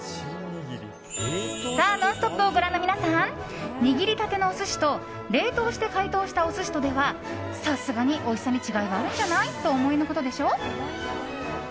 「ノンストップ！」をご覧の皆さん握りたてのお寿司と冷凍して解凍したお寿司とではさすがにおいしさに違いがあるんじゃない？とお思いのことでしょう。